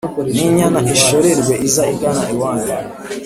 N'inyana ishorerwe iza igana iwanyu